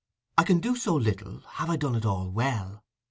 "I can do so little—have I done it all well?"